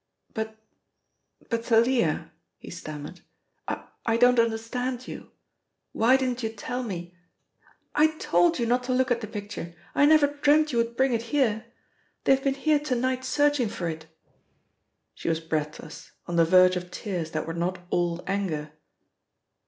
"But but, Thalia," he stammered, "I don't understand you. Why didn't you tell me " "I told you not to look at the picture. I never dreamt you would bring it here. They have been here to night searching for it." She was breathless, on the verge of tears that were not all anger.